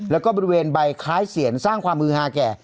แล้วก็บริเวณใบคล้ายเสียนสร้างความมือฮาแก่